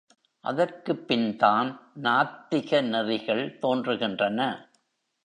அதற்குப் பின்தான் நாத்திக நெறிகள் தோன்றுகின்றன.